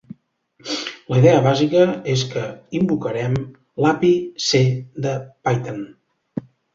La idea bàsica és que invocarem l'API C de Python.